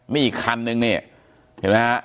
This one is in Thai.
มีอีกคันนึงนี่เห็นไหมฮะ